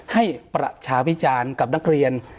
ให้ประชาพิจารณ์กับนักเรียน